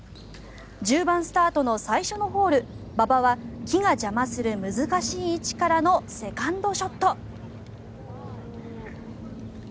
１０番スタートの最初のホール馬場は木が邪魔する難しい位置からのセカンドショット。